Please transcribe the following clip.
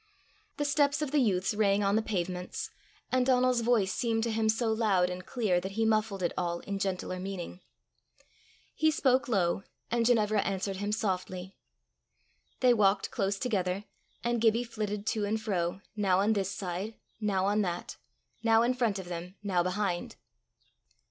The steps of the youths rang on the pavements, and Donal's voice seemed to him so loud and clear that he muffled it all in gentler meaning. He spoke low, and Ginevra answered him softly. They walked close together, and Gibbie flitted to and fro, now on this side, now on that, now in front of them, now behind.